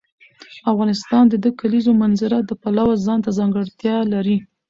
افغانستان د د کلیزو منظره د پلوه ځانته ځانګړتیا لري.